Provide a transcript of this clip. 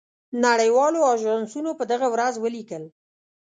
نړۍ والو آژانسونو په دغه ورځ ولیکل.